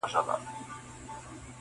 • د ښو څخه ښه زېږي د بدو څخه واښه -